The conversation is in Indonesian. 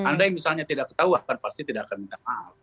andai misalnya tidak ketahuan pasti tidak akan minta maaf